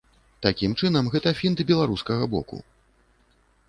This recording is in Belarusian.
Такім чынам, гэта фінт беларускага боку.